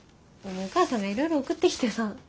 お母さんがいろいろ送ってきてさ。